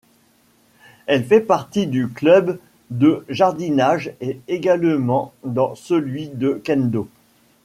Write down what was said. Elle fait partie du club de jardinage et également dans celui de kendo.